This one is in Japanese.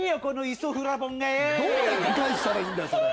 このイソフラボンがよ。